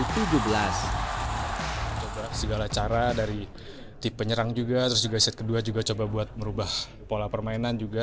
coba segala cara dari tipe nyerang juga set kedua juga coba buat merubah pola permainan juga